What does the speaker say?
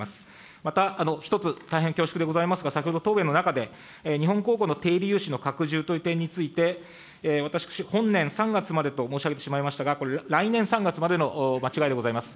また一つ、大変恐縮でございますが、先ほど答弁の中で、日本公庫の低利融資の拡充という点について、私、本年３月までと申し上げてしまいましたが、これ来年３月までの間違いでございます。